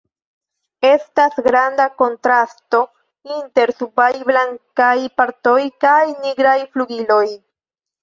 Estas granda kontrasto inter subaj blankaj partoj kaj nigraj flugiloj.